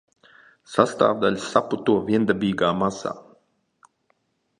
Sastāvdaļas saputo viendabīgā masā.